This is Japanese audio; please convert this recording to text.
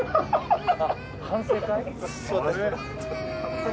あっ反省会？